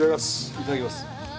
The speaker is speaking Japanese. いただきます。